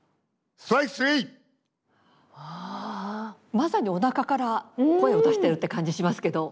まさにおなかから声を出してるって感じしますけど。